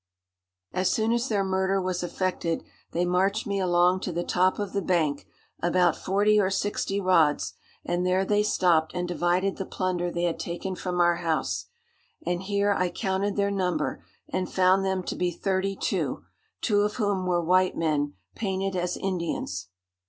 "As soon as their murder was effected, they marched me along to the top of the bank, about forty or sixty rods, and there they stopped and divided the plunder they had taken from our house; and here I counted their number, and found them to be thirty two, two of whom were white men, painted as Indians.